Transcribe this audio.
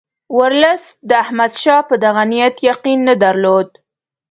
ورلسټ د احمدشاه په دغه نیت یقین نه درلود.